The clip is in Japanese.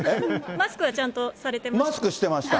マスクはちゃんとされてましたか？